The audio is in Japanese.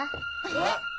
えっ？